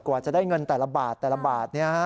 กว่าจะได้เงินแต่ละบาทแต่ละบาท